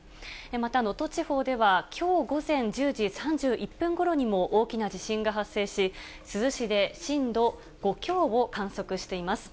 また、能登地方では、きょう午前１０時３１分ごろにも大きな地震が発生し、珠洲市で震度５強を観測しています。